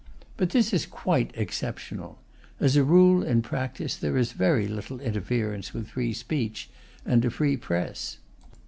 But this is quite exceptional; as a rule, in practice, there is very little interference with free speech and a free Press.